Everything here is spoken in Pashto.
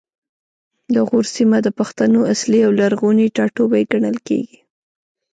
د غور سیمه د پښتنو اصلي او لرغونی ټاټوبی ګڼل کیږي